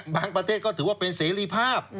ประเทศก็ถือว่าเป็นเสรีภาพ